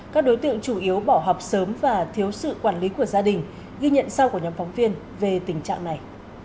các đối tượng chủ yếu bỏ học sớm và thiếu sự quản lý của gia đình ghi nhận sau của nhóm phóng viên về tình trạng này